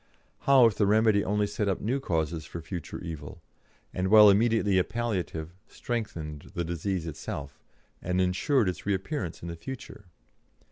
How if the remedy only set up new causes for a future evil, and, while immediately a palliative, strengthened the disease itself, and ensured its reappearance in the future?